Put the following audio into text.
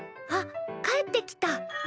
あっ帰ってきた。